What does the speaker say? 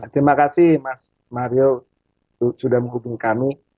terima kasih mas mario sudah menghubungi kami